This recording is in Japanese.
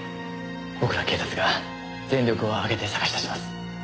僕ら警察が全力を挙げて捜し出します。